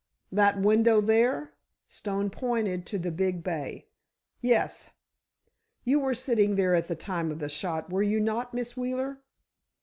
"That window there?" Stone pointed to the big bay. "Yes." "You were sitting there at the time of the shot, were you not, Miss Wheeler?"